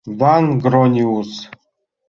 — Ван-Грониус!